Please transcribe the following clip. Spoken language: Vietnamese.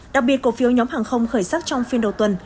đặc biệt cổ phiếu nhóm hàng không khởi sắc trong phiên đầu tuần